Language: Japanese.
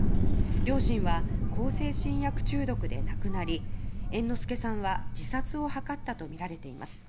両親は向精神薬中毒で亡くなり猿之助さんは自殺を図ったとみられています。